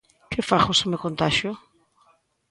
Que fago se me contaxio?